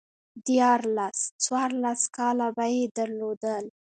ديارلس، څوارلس کاله به يې درلودل